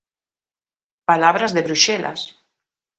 Palabras de Bruxelas.